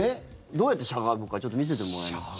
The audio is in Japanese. どうやってしゃがむかちょっと見せてもらえますか。